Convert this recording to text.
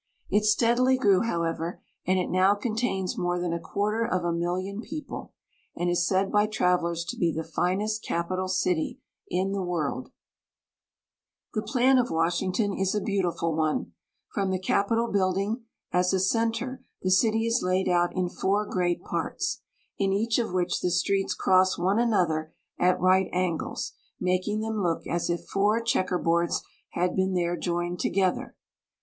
It steadily grew, however, and it now contains more than a quarter of a million of people, and is said by travelers to be the finest capital city in the world. General View of Washington at the Present Time. The plan of Washington is a beautiful one. From the Capitol building as a center, the city is laid out in four great parts, in each of which the streets cross one another at right angles, making them look as if four checkerboards had been there joined together.